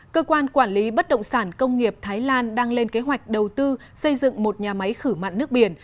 cơ quan quản lý bất động sản công nghiệp thái lan đang lên kế hoạch đầu tư xây dựng một nhà máy khử mạn nước biển